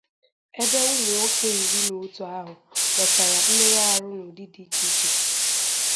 ebe ụmụnwoke iri na otu ahụ nwètàrà mmerụahụ n'ụdị dị iche iche